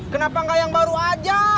kenapa nggak yang baru aja